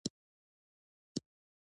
مفصله توضیح ټولنپېژندونکو ته پرېږدي